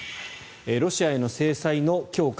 ロシアへの制裁の強化